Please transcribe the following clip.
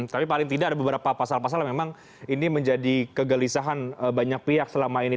tapi paling tidak ada beberapa pasal pasal yang memang ini menjadi kegelisahan banyak pihak selama ini